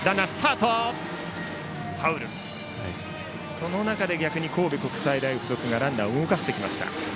その中で逆に神戸国際大付属がランナーを動かしてきました。